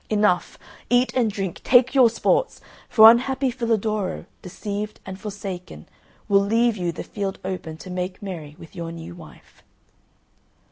Enough, eat and drink, take your sports, for unhappy Filadoro, deceived and forsaken, will leave you the field open to make merry with your new wife."